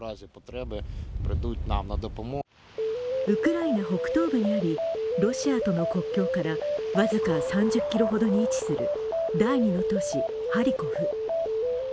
ウクライナ北東部にありロシアとの国境から僅か３０ｋｍほどに位置する第２の都市、ハリコフ。